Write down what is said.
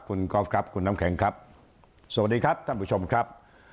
คุณกอล์ฟครับคุณน้ำแข็งครับสวัสดีครับท่านผู้ชมครับ